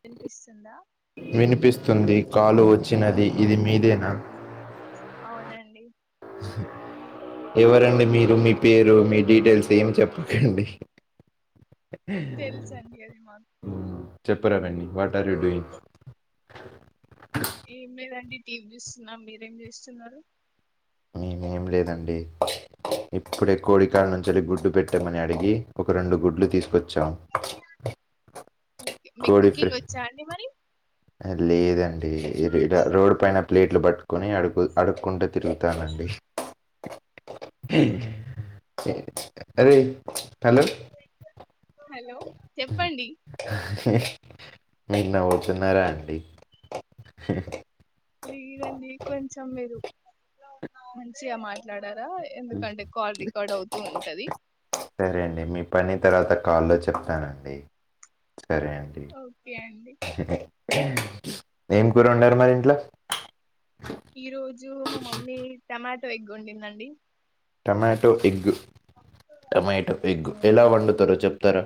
వినిపిస్తుందా వస్తుంది కాలు వచ్చినది ఇది మీదేనా అవునండి [inaudible] ఎవరండి మీరు మీ పేరు మీ డీటెయిల్స్ ఏం చెప్పకండి తెలుసండి అది మాకు చెప్పరాదండి వాట్ ఆర్ యూ డూయింగ్ ఏం లేదండి టేవ్ చూస్తున్నా మీరేం చూస్తున్నారు మీ నేమ్ లేదండి ఇప్పుడే కోడి కానుంచి వెళ్లి గుడ్డు పెట్టామని అడిగి ఒక రెండు గుడ్లు తీసుకొచ్ చ మీక్ మీకు కుకింగ్ వచ్చా అండి మరి లేదండి ఇ వి ద రోడ్ పైన ప్లేట్లు బట్ కొని అడుగు అడుక్కుంటూ తిరుగుతానండి అదే హలో చెప్పండి మీరు నవ్వుతున్నారా అండి లేదండి కొంచెం మీరు మంచిగా మాట్లాడ్ తారా ఎందుకంటే కాల్ రికార్డ్ అవుతూ ఉంటది సరే అండి మీ పని తర్వాత కాల్లో చెప్తానండి. సరే అండి ఓకే అండి ఏం కూర ఉండారు మరి ఇంట్లో ఈ రోజు మా మమ్మీ టమాటో ఎగ్ వండిందండి టమాటో ఎగ్గు టమాటో ఆ, ఎగ్గు ఎలా వండుతారో చెప్తారా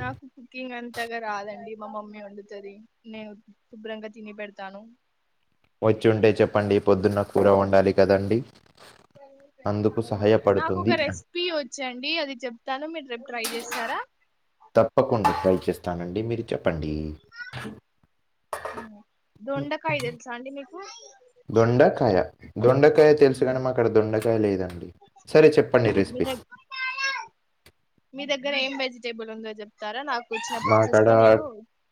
నాకు కుకింగ్ అంత అంతగా రాదండి మా మమ్మీ వండుతంది నేను శుభ్రంగా తిని పెడతాను వచ్చిఉంటే చెప్పండి పొద్దున్న కూర ఉండాలి కదండి. అందుకు అవునా నాకు సహాయపడుతుంది ఒక రెసిపీ వచ్చండి అది చెప్తాను మీరు రె ట్రై చేస్తారా తప్పకుండా ట్రై చేస్తానండి మీరు చెప్పండి దొండకాయ తెలుసా అండి మీకు దొండకాయ దొండకాయ తెలుసు ఉమ్. కానే మా అక్కడ దొండకాయ లేదండి సరే చెప్పండి మీ రెసిపీ దగ్ మీ దగ్గర ఏం వెజిటేబుల్ ఉందో చెప్పండి నాకాడా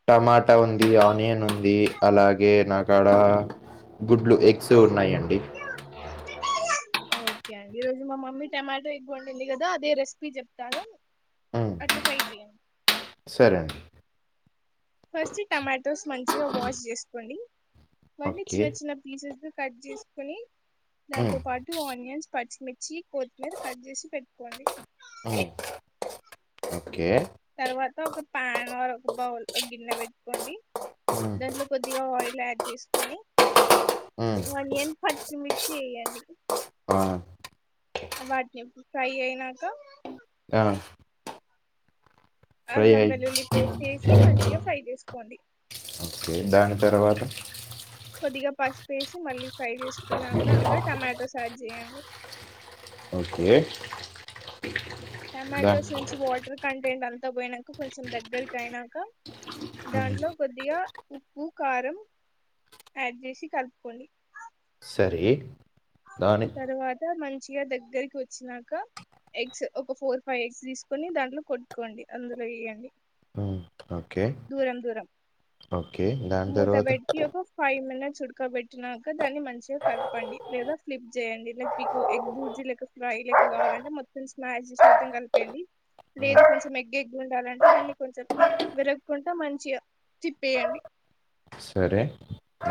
టమాటా ఉంది. ఆనియన్ ఉంది. అలాగే నాకాడా గుడ్లు ఎగ్స్ ఉన్నాయండి. ఓకే అండి ఈ రోజు మా మమ్మీ టమాటో ఎగ్ వండింది కదా అదే రెసిపీ చెప్తాను. ఉమ్, అట్లా ట్రై చేయండి. సరే అండి ఫస్ట్ టమాటోస్ మంచిగా వాష్ చేసుకోండి వాటిని ఓకే చిన్న చిన్న పీసెస్ కట్ చేసుకుని దాంతో ఉమ్, పాటు ఆనియన్స్, పచ్చిమి చ్చి కొత్తిమీర కట్ చేసి పెట్టుకోండి. అ తర్వాత ఒక ప్యాన్ ఒక బౌల్ గిన్నె పెట్టుకోండి. ఉమ్, దాంట్లో కొద్దిగా ఆయిల్ ప్లేట్ తీసుకొని ఉమ్, ఆనియన్ పచ్చిమిర్చి వేయండి. ఆ వాటిని ఎప్పుడు ఫ్రై అయినాక ఆ ఫ్రై అల్లం అయి వెల్లుల్లి పేస్ట్ వేసి మంచిగా ఫ్రై చేసుకోండి ఓకే దాని తర్వాత కొద్దిగా పసుపేసి మళ్ళీ ఫ్రై చేసుకున్నాక అందులో టమాటాస్ యాడ్ చేయండి. ఓకే దా టమాటోస్ నుంచి వాటర్ కంటెంట్ అంతా పోయినాక కొంచెం దగ్గరకి అయినాక ఉమ్, దాంట్లో కొద్దిగా ఉప్పు, కారం యాడ్ చేసి కలుపుకోండి. సరే దాని తరువాత మంచిగా దగ్గరికి వచ్చినాక ఎగ్స్ ఒక ఫోర్ ఫైవ్ ఎగ్స్ తీసుకొని దాంట్లో కొట్టుకోండి అందులో వెయ్యండి. హు ఓకే ఓకే దాని మూత తరువాత పెట్టి ఒక ఫైవ్ మినిట్స్ ఉడకబెట్టినాక దాన్ని మంచిగా కలపండి లేదా స్కిప్ చేయండి. మీకు ఎగ్ బుర్జీ లేక వేరియస్ లేకుండా కావాలంటే మొత్తం స్మాష్ చేసి మొత్తం కలిపేయండి. ఉమ్, లేదు కొంచెం ఎగ్ ఎక్కువ ఉండాలంటే దాన్ని కొంచెం విర కుంటా మంచిగా తిప్పేయండి. సరే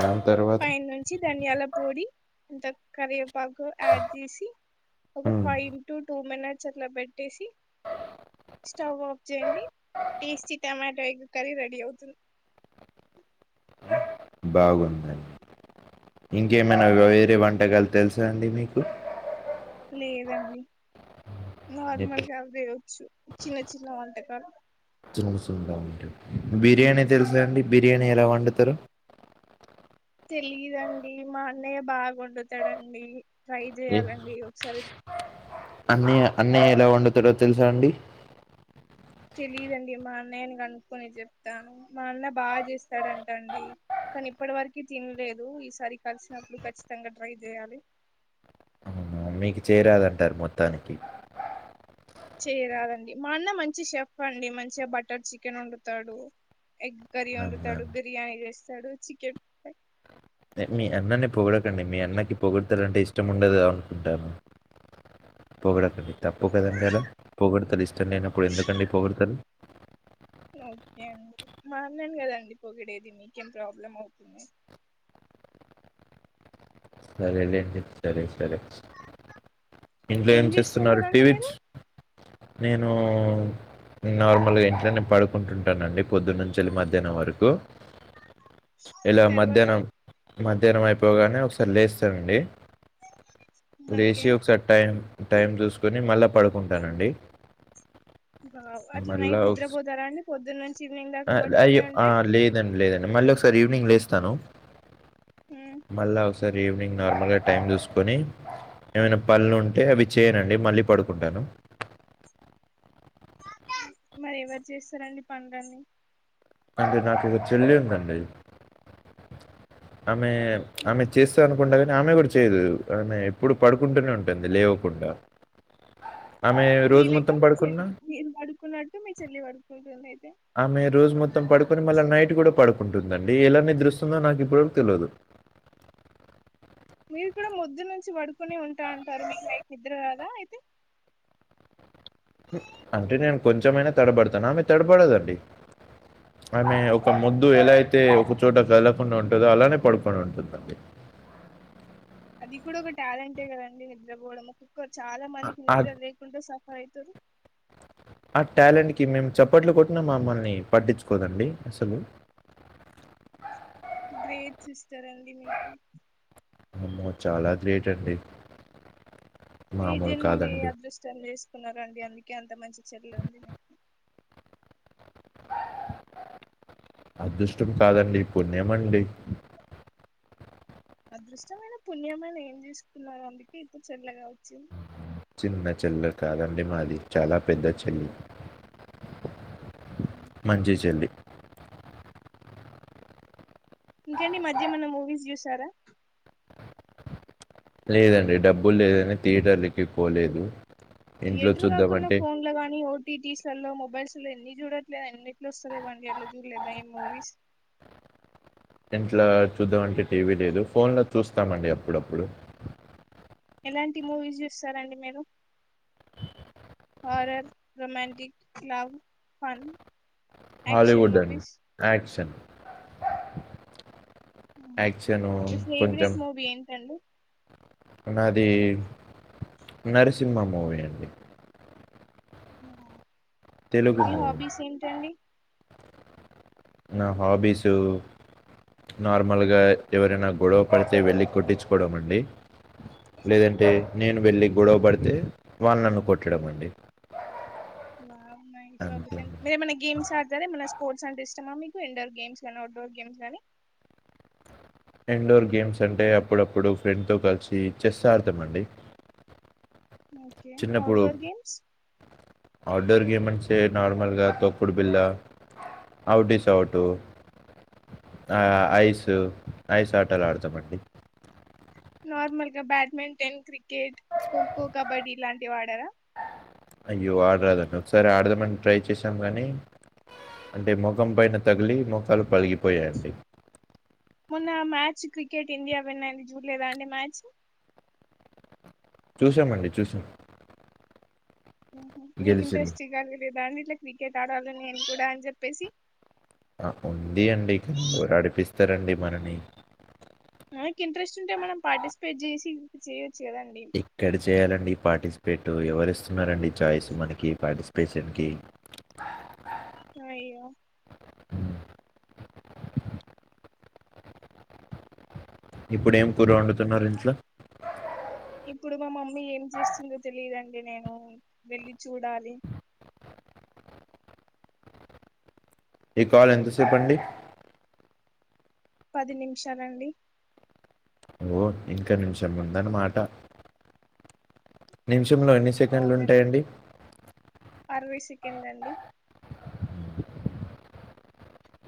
దాని తర్వాత పైన నుంచి ధనియాల పొడి ఇంత కరివేపాకు యాడ్ చేసి ఒక ఉమ్, ఫైవ్ టు టూ మినిట్స్ అట్లా పెట్టేసి స్టవ్ ఆఫ్ చేయండి tasty tomato egg curry ready అవుతుంది. బాగుంది అండి ఇంకేమైనా వేరే వంటకాలు తెలుసా అండి మీకు లేదండి ఎట్లా నార్మల్ గా దేవ్ చిన్న చిన్న వంటకారు చు చుగా ఉంట బిర్యానీ తెలుసా అండి బిర్యానీ ఎలా వండుతారు తెలిదండి మా అన్నయ్య బాగా వండుతాడండి ట్రై చేయాలండి ఒకసారి అన్న అన్నయ ఎలా వండుతారో తెలుసా అండి తెలిదండి మా అన్నయ్యని కనుకుని చెప్తాను మా అన్న బాగా చేస్తాడంట అండి కానీ ఇప్పటి వరకి తినలేదు ఈసారి కలిసినప్పుడు ఖచ్చితంగా ట్రై చేయాలి. అవునా, మీకు చేరదంటారు మొత్తానికి చేయరదండి మా అన్న మంచి షెఫ్ అండి మంచిగా బటర్ చికెన్ వండుతాడు ఎగ్ కర్రీ అవునా. వండుతాడు బిర్యానీ చేస్తాడు చికెన్ మీ అన్ననే పొగడకండి మీ అన్నకి పొగొడతాలంటే ఇష్టం ఉండదు అనుకుంటాను పోగొడకండి తప్పు కదండి అలా పొగడ్త ఇష్టం లేనప్పుడు ఎందుకండి పొగడ్త ఓకే అండి మ అన్నని కదా అండి పొగిడేది మీకేం ప్రాబ్లం అవుతుంది సరేలేండి సరే సరే ఇంట్లో ఏం చేస్తున్నారు చేస్తుంటారండి టీవీచ్ మీరు నేను నార్మల్గా ఇంట్లో నే పడుకుంటుంటానండి పొద్దున్నంచెలి మధ్యాహ్నం వరకు ఇలా తర్వాత మధ్యాహ్నం మధ్యాహ్నం అయిపోగానే ఒకసారి లేస్తానండి లేచి ఓకే ఒకసారి టైం టైం చూసుకొని మళ్ళా పడుకుంటానండి బా అట్లా నైట్ నిద్రపోతారండి పొద్దున్నంచి ఆ అయ్యో ఆ లేదండి లేదండి మళ్ళీ ఒకసారి ఈవినింగ్ లేస్తాను ఉమ్. మళ్ళ స ఈవినింగ్ నార్మల్ గా టైమ్ చూసుకొని ఏమైనా పళ్ళలు ఉంటే అవి చేయనండి మళ్ళీ పడుకుంటాను మరి ఎవరు చేస్తారండి పంలన్నని అంటే నాకు ఇక చేల్లి ఉందండి ఆమె ఆమె మరి చేస్తాను కుండా కానీ ఆమె కూడా చేయదు అమే ఎప్పుడు పడుకుంటూనే ఉంటుంది లేవకుండా ఆమె రోజు మొత్తం పడుకున్నా న్నటు మీ చెల్లి వడుకుతు ఆమె రోజు మొత్తం పడుకొని మళ్ళీ నైట్ కూడా పడుకుని ఉంటుందండి ఎలా నిద్రొస్తుందో నాకు ఇప్పుడు వరకు తెలియదు మీరు కూడా పొద్దునుంచి నుంచి పడుకునే ఉంటా అంటారు మీకు నైట్ ఇద్దరు కదా అయితే అంటే నేను కొంచెమైనా తడబడతాను ఆమె తడబడదండి ఆమె ఒక మొద్దు ఎలాయితే ఒకచోట కదలకుండా ఉంటుందో అలానే పడుకొని ఉంటుందండి అది కూడా ఒక టాలెంటే కదండి నిద్రపోవడం ఒక్కొక్క చాలా ఆ- మందికి ఆ నిద్ర లేకుండా అయితు ట్యాలెంట్కిి మేము చప్పట్లు కొట్టిన మమ్మల్ని పట్టించుకోదండి అసలు గ్రేట్ సిస్టర్ అండి మీకు అమో చాలా గ్రేట్ అండి ఎ మామూలు జన్మలు ఎ కాదండి అదృష్టం చేసుకున్నారండి అందుకే అంత మంచి చెల్లె ఉంది మీకు అదృష్టం కాదండి పుణ్యమండి అదృష్టమైన పుణ్యమని ఏం చేసుకున్నారు అందుకే ఇప్పుడు చెల్ల కావచ్చు చిన్న చెలె కాదండి మాది చాలా పెద్ద చెల్లి మంచి చెల్లి ఇంకండి ఈ మధ్యేమన్న మూవీస్ చూసారా లేదండి డబ్బులు లేదని థియేటరీకి పోలేదు ఇంట్లో థియేటర్ కాకున్న చూద్దామంటే ఫోన్ల గానీ టి టిస్ లల్లో మొబైల్స్ లో ఎన్ని చూడట్లేదు ఎన్నిట్ల వస్తలేవండి అట్ల చూడలేదా ఏ మూవీస్ [inaudible] ఇంట్లా చూద్దాంమంటే టీవీ లేదు ఫోన్ లో చూస్తామండి అప్పుడప్పుడు ఎలాంటి మూవీస్ చూస్తారండి మీరు horror romantic love fun action Hollywood అండి మూవీస్ ఆక్షన్ యాక్షను మీ కొంచెం ఫేవరెట్ మూవీ ఏంటండి నాది నరసింహ మూవీ అండి తెలుగు మీ మూవీ హాబీస్ ఏంటండి నా హాబీసు నార్మల్గా ఎవరైనా గొడవ పడితే వెళ్ళి కొట్టించుకోవడం అండి లేదంటే నేను వెళ్ళి గొడవ పడితే వాళ్ళు నన్ను కొట్టడం అండి బాగున్నాయి అంతే మీరేమన్న గేమ్స్ ఆడతరా స్పోర్ట్స్ అంటే ఇష్టమా మీకు ఇండోర్ గేమ్స్ గనీ అవుట్డోర్ గేమ్స్ గనీ ఇండోర్ గేమ్స్ అంటే అప్పుడప్పుడు ఫ్రెండ్తో కలిసి చెస్ ఆడతమండి okay outdoor games outdoor game అంటే నార్మల్గా తోక్కుడు బిల్ల అవుట్ ఈస్ అవుట్ ఆ ఐస్ ఐస్ ఆటలాడతమండీ నార్మల్గా బ్యాడ్మింటన్ క్రికెట్ ఖోఖో కబడ్డీ ఇలాంటివాడరా అయ్యో అడమండి ఒకసారి ఆడదామని ట్రై చేశాం కానీ అంటే ముఖం పైన తగిలి ముఖాలు పలిగిపోయాయండి మొన్న ఆ మ్యాచ్ క్రికెట్ ఇండియా విన్నయింది చూడలేదా అండి మ్యాచ్ చూశామండి చూశాం మీకు ఇంట్రెస్ట్ ఇగ లేదా అండి ఇట్ల క్రికెట్ ఆడాలి నేను కూడా అని చెప్పేసి ఆ ఉందీ అండి ఎవరాడిపిస్తరండీ మనని మన కి ఇంట్రెస్ట్ ఉంటే మనం పార్టిసిపేట్ చేసి చేయొ ఇక్కడ చేయాలండి పార్టిసిపేటు ఎవరు ఇస్తున్నారండి ఛాయిస్ మనకి పార్టి పార్సిసిపేషన్ కి అయ్యో ఇప్పుడేం కూర వండుతున్నారు ఇంట్ల ఇప్పుడు మా మమ్మీ ఏం చేస్తుందో తెలియదండీ నేను వెళ్ళి చూడాలి ఈ కాల్ ఎంతసేపండి పది నిమిషాలండి ఓ ఇంక నిమిషం ఉందన్నమాట నిమిషంలో ఎన్ని అవునండి సెకండ్లుంటాయండి అరవై సెకండ్లండి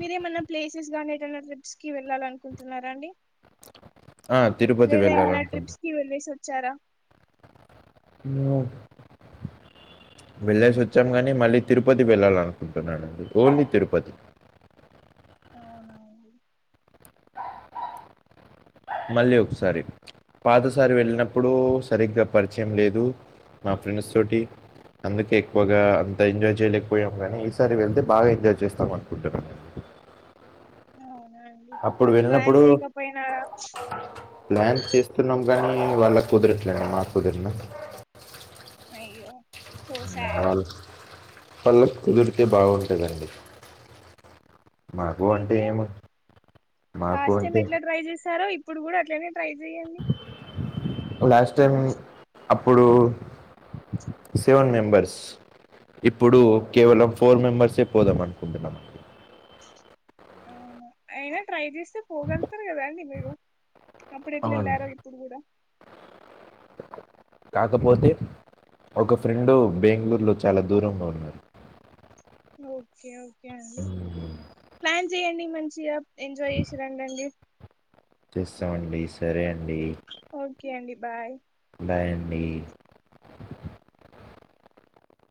మీరేమన్నా ప్లేసెస్ గానీ ఏదన్నా ట్రిప్స్ కి వెళ్ళాలనుకుంటున్నారా అండి ఆ! తిరుపతి లేదా ఏమైనా వెళ్ళాలనుకుంటున్నా. ట్రిప్స్ కి వెళ్ళేసి వచ్చారా [unintelligible] [inaudible] వెళ్ళేసి వచ్చాం కాని మళ్ళీ తిరుపతి వెళ్ళాలనుకుంటున్నానండి ఓన్లీ తిరుపతి అవునవును మళ్ళీ ఒకసారి పాతసారి వెళ్ళినప్పుడూ సరిగ్గా పరిచయం లేదు మా ఫ్రెండ్స్ తోటి అందుకే ఎక్కువగా అంత ఎంజాయ్ చేయలేకపోయాము కానీ ఈసారి వెళ్తే బాగా ఎంజాయ్ చేస్తాం అనుకుంటున్నా అండి అవునా అండి అప్పుడు మరి ప్లాన్ వెళ్ళినప్పుడు చేయకపోయినారా ప్లాన్ చేస్తున్నాము కానీ వాళ్ళ కుదిరట్లే మాకు కుదిరినా అయ్యో సో సాడ్ పళ్ళకు కుదిరితే బాగుంటుందండి మాకు ట్రై అంటే ఏమో చేయండి మాకు లాస్ట్ టైం అంటే ఎట్లా ట్రై చేశారో ఇప్పుడు కూడా అట్లనే ట్రై చెయండి లాస్ట్ టైం అప్పుడు సెవెన్ మెంబర్స్ ఇప్పుడు కేవలం ఫోర్ మెంబర్సే పోదాం అనుకుంటున్నాం అనా అయినా ట్రై చేస్తే పోగలుతరు కదా అండి మీరు అప్పుడు ఎట్ల అవును వెళ్ళారో ఇప్పుడు కూడా కాకపోతే ఒక ఫ్రెండు బెంగళూరులో చాలా దూరంలో ఉన్నారు ఓకే ఓకే అండి ప్లాన్ చేయండి మంచిగా ఎంజాయ్ చేసి రండండి వస్సమండి సరే అండీ ఓకే అండి బాయ్ బాయండి